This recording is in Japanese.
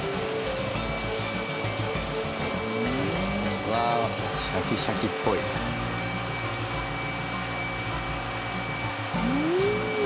うわあシャキシャキっぽい。うーん。